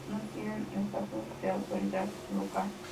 No tienen el estatus de autoridad local.